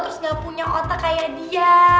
terus gak punya otak kayak dia